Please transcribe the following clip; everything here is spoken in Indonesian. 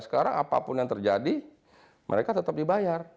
sekarang apapun yang terjadi mereka tetap dibayar